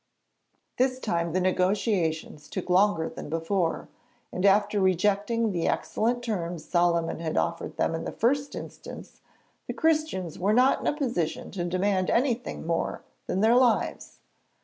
This time the negotiations took longer than before, and after rejecting the excellent terms Solyman had offered them in the first instance, the Christians were not in a position to demand anything more than their lives.